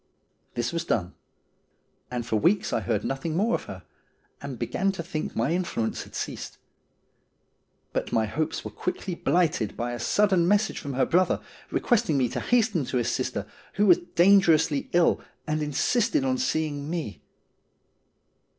This was done, and for weeks I heard nothing more of her, and began to think my influence had ceased. But my hopes were quickly blighted by a sudden message from her brother, requesting me to hasten to his sister, who was dangerously ill, and insisted on seeing me.